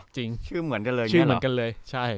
จริงเหรอชื่อเหมือนกันเลย